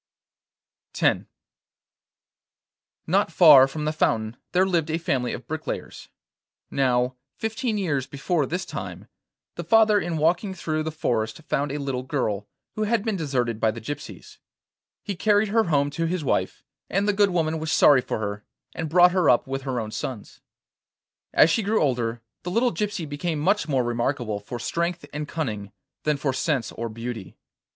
X Not far from the fountain there lived a family of bricklayers. Now, fifteen years before this time, the father in walking through the forest found a little girl, who had been deserted by the gypsies. He carried her home to his wife, and the good woman was sorry for her, and brought her up with her own sons. As she grew older, the little gypsy became much more remarkable for strength and cunning than for sense or beauty.